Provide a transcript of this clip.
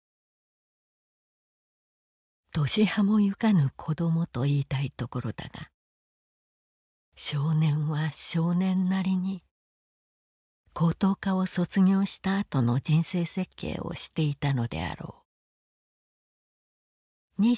「年端もゆかぬ子供といいたいところだが少年は少年なりに高等科を卒業したあとの人生設計をしていたのであろう」。